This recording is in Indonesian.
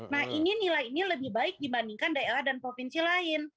nah ini nilai ini lebih baik dibandingkan daerah dan provinsi lain